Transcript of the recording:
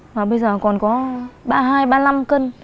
và bây giờ còn có ba hai ba mươi năm cân